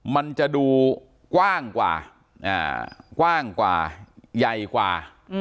มันจะดูกว้างกว่ากว้างกว่าใหญ่กว่า